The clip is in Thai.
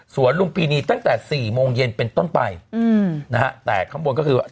สวนลุมปีนีตั้งแต่๔โมงเย็นเป็นต้นไปแต่ข้างบนก็คือ